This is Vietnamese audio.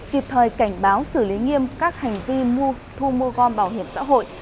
kịp thời cảnh báo xử lý nghiêm các hành vi mua thu mua gom bảo hiểm xã hội